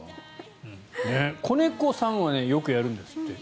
子猫さんはよくやるんですって。